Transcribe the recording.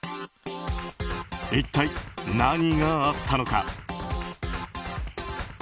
一体何があったのか。